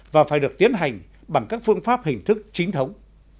và phải được tiến hành bằng các phương pháp hình thức chính thống